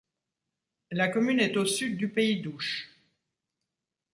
La commune est au sud du pays d'Ouche.